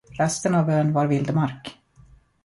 Resten av ön var vildmark.